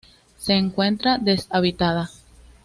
Se encuentra deshabitada.